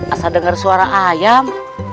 asal denger suara ayam